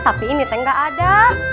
tapi ini teh nggak ada